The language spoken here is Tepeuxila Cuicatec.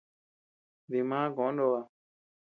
Dimá koʼö Nóba.